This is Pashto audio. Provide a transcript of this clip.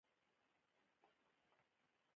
د کرکټ قواعد وخت پر وخت نوي کیږي.